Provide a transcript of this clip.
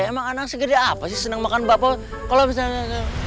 emang anak segede apa sih senang makan bapel kalau misalnya